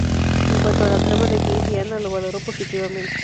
En cuanto a la trama de Chris y Anna la valoró positivamente.